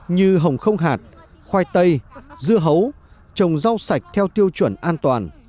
như hồng không hạt khoai tây dưa hấu trồng rau sạch theo tiêu chuẩn an toàn